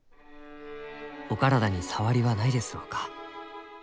お体に障りはないですろうか？